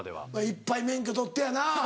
いっぱい免許取ってやな。